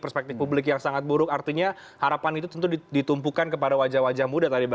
perspektif publik yang sangat buruk artinya harapan itu tentu ditumpukan kepada wajah wajah muda tadi